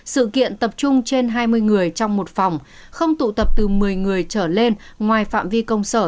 sự kiện tập trung trên hai mươi người trong một phòng không tụ tập từ một mươi người trở lên ngoài phạm vi công sở